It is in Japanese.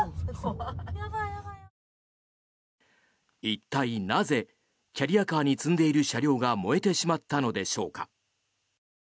一体なぜキャリアカーに積んでいる車両が燃えてしまったのでしょうか。